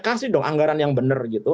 kasih dong anggaran yang benar gitu